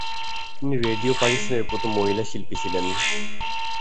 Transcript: তিনি রেডিও পাকিস্তানের প্রথম মহিলা শিল্পী ছিলেন।